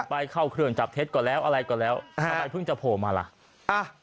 ไปเข้าเครื่องจับเท็จก่อนแล้วอะไรก็แล้วทำไมเพิ่งจะโผล่มาล่ะ